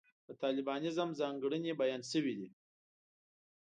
د طالبانیزم ځانګړنې بیان شوې دي.